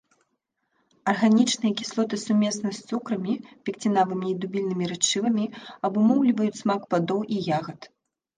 Арганічныя кіслоты сумесна з цукрамі, пекцінавымі і дубільнымі рэчывамі абумоўліваюць смак пладоў і ягад.